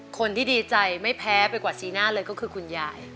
คนที่ดีใจไม่แพ้ไปกว่าสีหน้าเลยก็คือคุณยาย